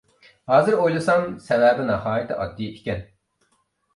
ھازىر ئويلىسام سەۋەبى ناھايىتى ئاددىي ئىكەن.